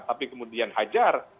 tapi kemudian hajar